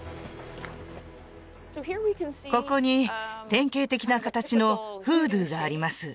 ここに典型的な形のフードゥーがあります